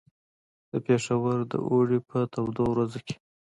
د پېښور د اوړي په تودو ورځو کې.